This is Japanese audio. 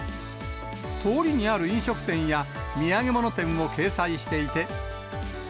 通りにある飲食店や、土産物店を掲載していて。